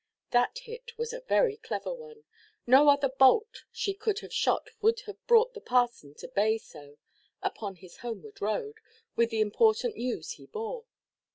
That hit was a very clever one. No other bolt she could have shot would have brought the parson to bay so, upon his homeward road, with the important news he bore.